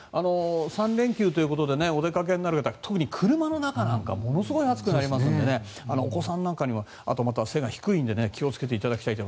３連休ということでお出かけになる方特に車の中なんかものすごい暑くなりますのでお子さんなんかには背が低いんで気をつけていただきたい。